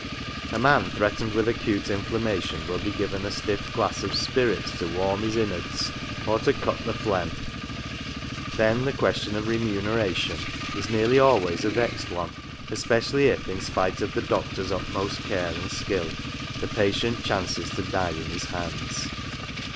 A man threatened with acute inflammation will be given a stiff glass of spirits to "warm his inwards," or to "cut the phlegm.' 1 ' 1 Then the question of remuneration is nearly always a vexed one, especially if, in spite of the doctor's utmost care and skill, the patient chances to die in his hands.